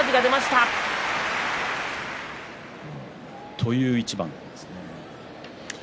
という一番ですね。